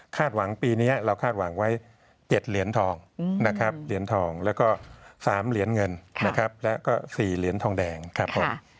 หวังปีนี้เราคาดหวังไว้๗เหรียญทองนะครับเหรียญทองแล้วก็๓เหรียญเงินนะครับแล้วก็๔เหรียญทองแดงครับผม